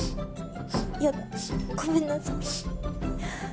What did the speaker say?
やだごめんなさい。